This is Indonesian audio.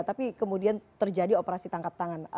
tapi kemudian terjadi operasi tangkap tangan